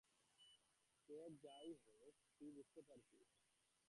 যেই হোক-না কেন, তুই তো বুঝতে পারছিস।